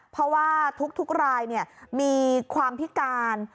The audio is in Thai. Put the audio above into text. เพราะว่าทุกรายมีความพิการ